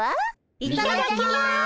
いただきます。